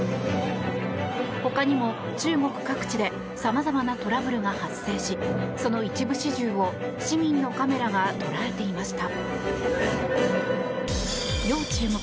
ほかにも、中国各地で様々なトラブルが発生しその一部始終を市民のカメラが捉えていました。